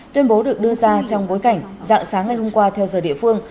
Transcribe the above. tuyên bố được đưa ra trong bối cảnh dạng sáng ngày hôm qua theo giờ địa phương